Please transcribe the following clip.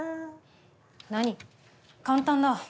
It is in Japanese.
何簡単だ。